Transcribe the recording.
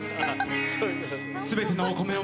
全てのお米を